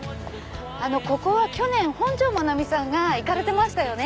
ここは去年本上まなみさんが行かれてましたよね。